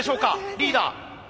リーダー。